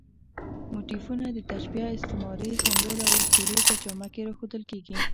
موتیفونه د تشبیه، استعارې، سمبول او اسطورې په جامه کې راښودل کېږي.